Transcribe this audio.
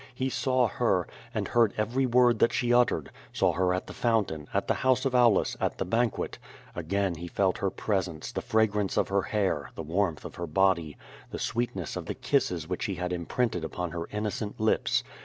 He saw her, and heard every word that she uttered — saw her at the fountain, at the house of Aulus, at the banquet. Again he felt her presence, the fragrance of her hair, the warmth of her body, the sweetness of the kisses which he had imprinted upon her innocent lips.